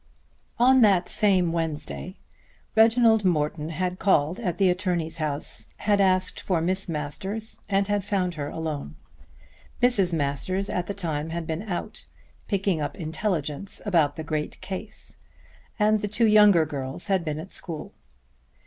On that same Wednesday Reginald Morton had called at the attorney's house, had asked for Miss Masters, and had found her alone. Mrs. Masters at the time had been out, picking up intelligence about the great case, and the two younger girls had been at school.